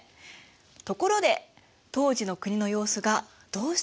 ところで当時の国の様子がどうして分かると思う？